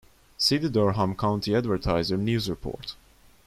See the Durham County Advertiser news report.